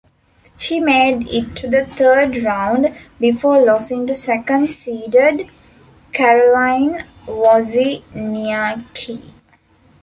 She made it to the third round, before losing to second seeded Caroline Wozniacki.